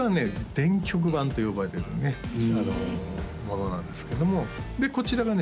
電極板と呼ばれるねものなんですけどもでこちらがね